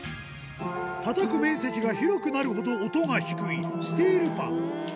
たたく面積が広くなるほど音が低いスティールパン。